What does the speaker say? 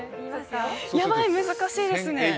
ヤバい、難しいですね。